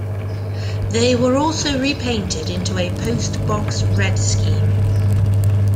They were also re-painted into a post-box-red scheme.